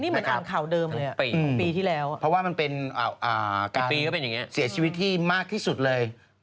นี่เหมือนอ่างข่าวเดิมเลยอ่ะปีที่แล้วพอว่ามันเป็นการเสียชีวิตมากที่สุดเลย